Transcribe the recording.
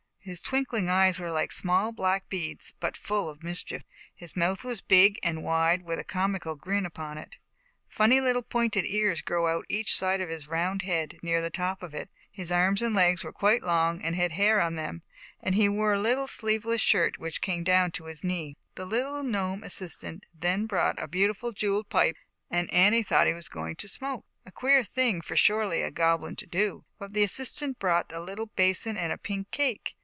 His twinkling eyes were like small black beads, but full of mischief. His mouth was big and wide, with a comical grin upon it. Funny little pointed ears grew out on each side of his round head, near the top of it. His arms and legs were quite long and had hair on them. He wore a little sleeveless shirt, which came down to his knees. 11 162 ZAUBERLINDA, THE WISE WITCH. The little Gnome assistant then brought a beautiful jeweled pipe and Annie thought he was going to smoke, a queer thing, surely, for a Goblin to do, but the assistant brought a little basin and a pink cake.